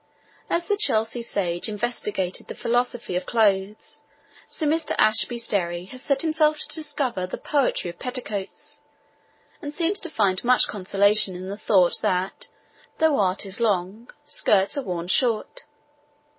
As the Chelsea sage investigated the philosophy of clothes, so Mr. Ashby Sterry has set himself to discover the poetry of petticoats, and seems to find much consolation in the thought that, though art is long, skirts are worn short.